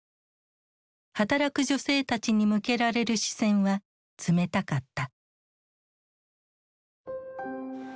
働く女性たちに向けられる視線は冷たかった。